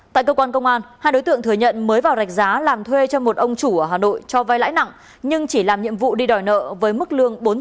tại cơ quan công an hai đối tượng thừa nhận mới vào rạch giá làm thuê cho một ông chủ ở hà nội cho vai lãi nặng nhưng chỉ làm nhiệm vụ đi đòi nợ với mức lương bốn triệu đồng một tháng